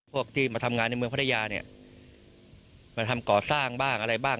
พวกที่มาทำงานในเมืองพัทยาเนี่ยมาทำก่อสร้างบ้างอะไรบ้าง